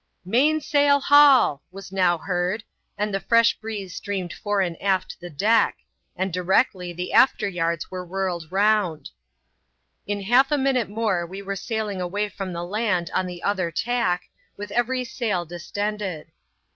" Main sail haul I " was now heard, as the fresh breeze streamed fore and aft the deck; and directly the after yards were whirled round. In half a minute more we were sailing away from the land on the other tack, with every sail distended.